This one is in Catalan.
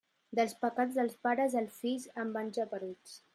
Dels pecats dels pares, els fills en van geperuts.